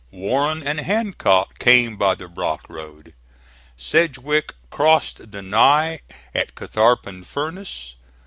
Warren and Hancock came by the Brock Road. Sedgwick crossed the Ny at Catharpin Furnace.